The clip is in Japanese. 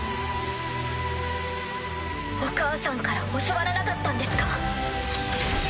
お母さんから教わらなかったんですか？